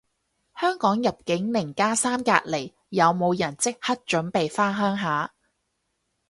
香港入境零加三隔離，有冇人即刻準備返鄉下